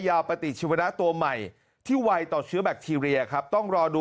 ปฏิชีวนะตัวใหม่ที่ไวต่อเชื้อแบคทีเรียครับต้องรอดู